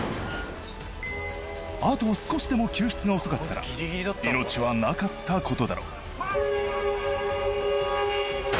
あと少しでも救出が遅かったら命はなかったことだろう